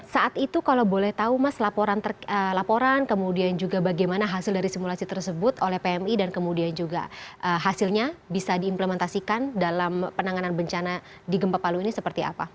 saat itu kalau boleh tahu mas laporan kemudian juga bagaimana hasil dari simulasi tersebut oleh pmi dan kemudian juga hasilnya bisa diimplementasikan dalam penanganan bencana di gempa palu ini seperti apa